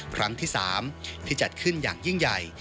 ครั้งที่๓ที่จัดขึ้นอย่างยิ่งใหญ่